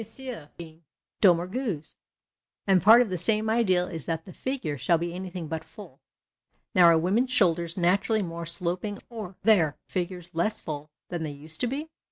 Jean Doumerguc's. And part of the same ideal is that the " figure " shall be anything but " full." Now are women's shoulders naturally more sloping or their figures less full than they used to be ?